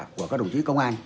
của các đồng chí công an